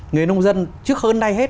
người nông dân trước hơn nay hết